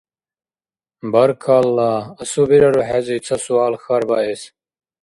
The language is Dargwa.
– Баркалла. Асубирару хӀези ца суал хьарбаэс?